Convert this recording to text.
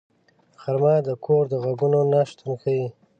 غرمه د کور د غږونو نه شتون ښيي